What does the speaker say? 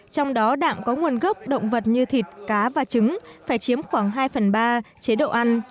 trong đó đạm có nguồn gốc động vật như thịt cá và trứng phải chiếm khoảng hai phần ba chế độ ăn